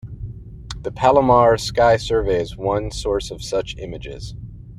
The Palomar Sky Survey is one source of such images.